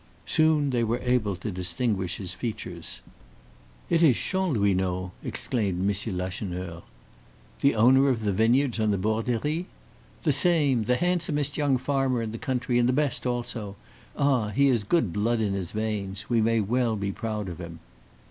Soon they were able to distinguish his features. "It is Chanlouineau!" exclaimed M. Lacheneur. "The owner of the vineyards on the Borderie?" "The same! The handsomest young farmer in the country, and the best also. Ah! he has good blood in his veins; we may well be proud of him."